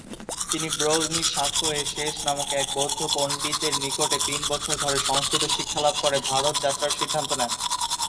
তিনি 'ব্রোগ-মি-শাক্য-য়ে-শেস নামক এক বৌদ্ধ পন্ডিতের নিকটে তিন বছর ধরে সংস্কৃত শিক্ষা লাভ করে ভারত যাত্রার সিদ্ধান্ত নেন।